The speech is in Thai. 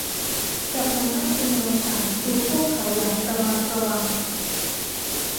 กลับมานั่งในเงาฉันดูพวกเขาอย่างระมัดระวัง